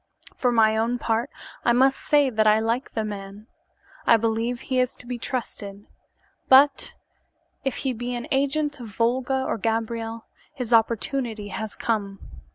For my own part, I may say that I like the man. I believe he is to be trusted, but if he be an agent of Volga or Gabriel, his opportunity has come.